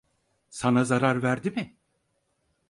Sana zarar verdi mi?